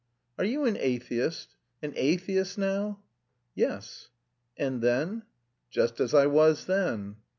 "Are you an atheist? An atheist now?" "Yes." "And then?" "Just as I was then."